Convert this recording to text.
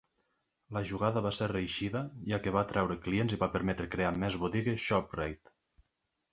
La jugada va ser reeixida, ja que va atreure clients i va permetre crear més botigues Shoprite.